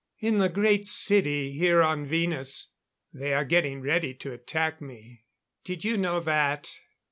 "In the Great City, here on Venus, they are getting ready to attack me. Did you know that?"